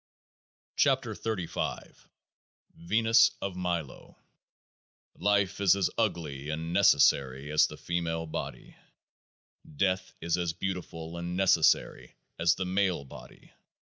44 KEOAAH AE VENUS OF MILO Life is as ugly and necessary as the female body. Death is as beautiful and necessary as the male body.